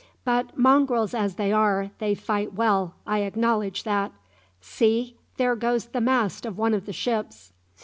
But mongrels as they are, they fight well, I acknowledge that! See, there goes the mast of one of the ships!"